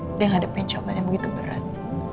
dia menghadapi coba yang begitu berat